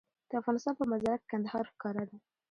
د افغانستان په منظره کې کندهار ښکاره دی.